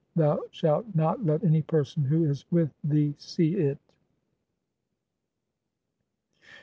(5) THOU SHALT NOT LET ANY PERSON WHO IS WITH THEE SEE IT * 1.